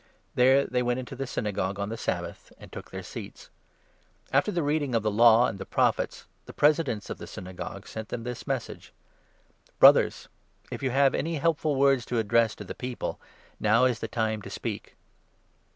There they went into the Syna gogue on the Sabbath and took their seats. After the reading 15 of the Law and the Prophets, the Presidents of the Synagogue sent them this message —" Brothers, if you have any helpful words to address to the people, now is the time to speak."